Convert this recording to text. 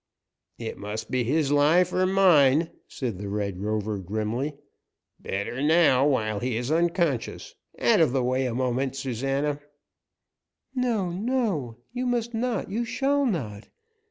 "It must be his life or mine," said the Red Rover, grimly. "Better now, while he is unconscious. Out of the way a moment, Susana." "No, no! You must not you shall not!